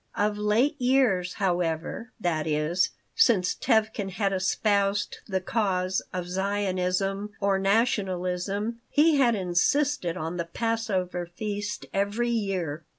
Of late years, however that is, since Tevkin had espoused the cause of Zionism or nationalism he had insisted on the Passover feast every year.